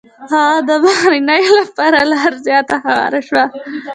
د هغو بهیرونو لپاره لاره زیاته هواره شوه.